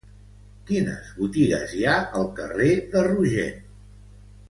Quines botigues hi ha al carrer de Rogent?